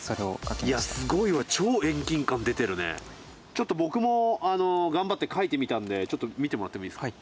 ちょっと僕も頑張って描いてみたんでちょっと見てもらってもいいですか？